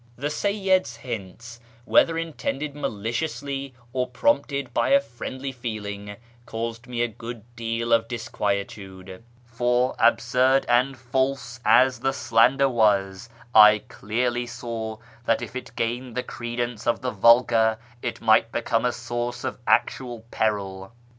The Seyyid's hints, whether intended maliciously or prompted by a friendly feeling, caused me a good deal of dis quietude ; for, absurd and false as the slander was, I clearly saw that if it gained the credence of the vulgar it might become a source of actual peril.